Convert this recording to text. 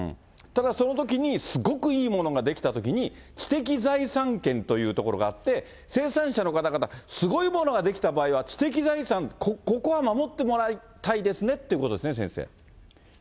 だからそのときに、すごくいいものが出来たときに、知的財産権というところがあって、生産者の方々、すごいものが出来た場合は、知的財産、ここは守ってもらいたいですねということですね、先生。